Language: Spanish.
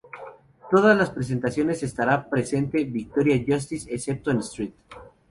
Todas las presentaciones estará presente Victoria Justice excepto en St.